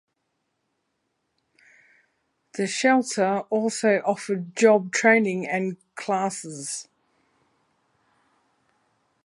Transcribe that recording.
The shelter also offered job training and classes.